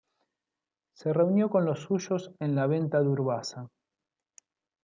Se reunió con los suyos en la venta de Urbasa.